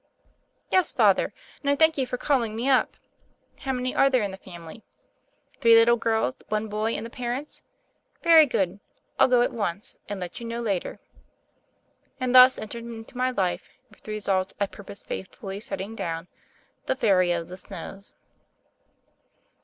"Yes, Father: and I thank you for calling me up. How many are there in the family? Three little girls, one boy, and the parents? Very good! I'll go at once, and let you know later." And thus entered into my life, with results I purpose faithfully setting down, the Fairy of the Snows.